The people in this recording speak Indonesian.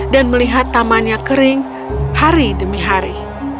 dan melihat tamannya kering hari demi hari